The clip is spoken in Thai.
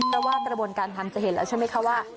เพราะว่ากระบวนการทำจะเห็นแล้วใช่ไหมคะว่า